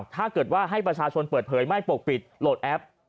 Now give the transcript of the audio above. ถ้าเกิดว่าให้ประชาชนเปิดเผยไม่ปกปิดโหลดแอป